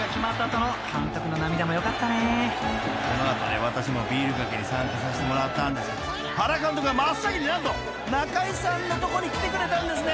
［この後ね私もビールかけに参加させてもらったんですけど原監督が真っ先に何と中居さんのとこに来てくれたんですね！］